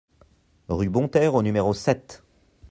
Rue Bonterre au numéro sept